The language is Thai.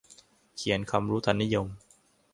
เขียนคำรู้ทันนิยม